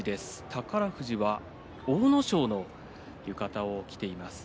宝富士は阿武咲の浴衣を着ています。